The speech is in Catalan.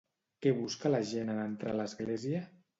Què busca la gent en entrar a l'església?